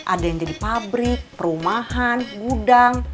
ada yang jadi pabrik perumahan gudang